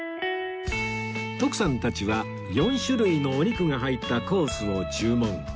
徳さんたちは４種類のお肉が入ったコースを注文